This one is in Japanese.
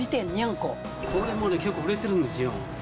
こういうもの結構売れてるんですよ。